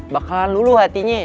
bakalan luluh hatinya